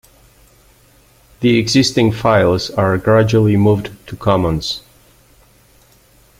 The existing files are gradually moved to Commons.